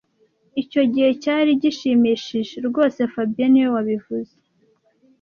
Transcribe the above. Icyo gihe cyari gishimishije rwose fabien niwe wabivuze